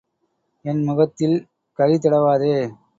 என் முகத்தில் கரி தடவாதே.